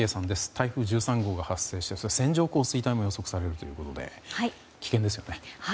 台風１３号が発生して線状降水帯も予測されるということで危険ですよね。